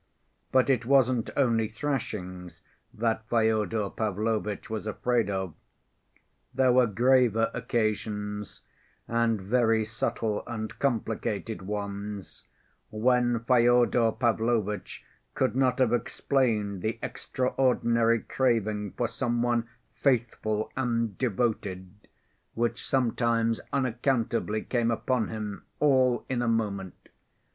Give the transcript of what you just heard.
But it wasn't only thrashings that Fyodor Pavlovitch was afraid of. There were graver occasions, and very subtle and complicated ones, when Fyodor Pavlovitch could not have explained the extraordinary craving for some one faithful and devoted, which sometimes unaccountably came upon him all in a moment.